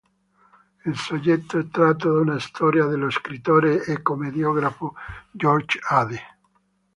Il soggetto è tratto da una storia dello scrittore e commediografo George Ade.